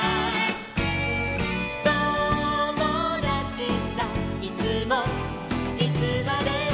「ともだちさいつもいつまでも」